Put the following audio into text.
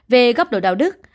về góc độ đạo đức